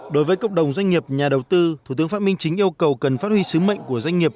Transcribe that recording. đối với cộng đồng doanh nghiệp nhà đầu tư thủ tướng phạm minh chính yêu cầu cần phát huy sứ mệnh của doanh nghiệp